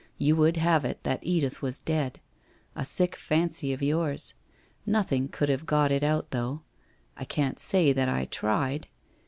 You would have it that Edith was dead. A sick fancy of yours. Nothing could have got it out, though. I can't say that I tried.